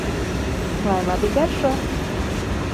Lai labi garšo!